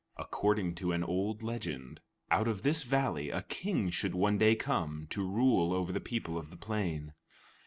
According to an old legend, out of this valley a king should one day come to rule over the people of the plain.